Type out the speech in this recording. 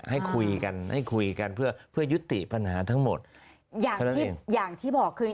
ให้คุยกันให้คุยกันเพื่อฉุกติปัญหาทั้งหมดอยากอย่างที่บอกอีก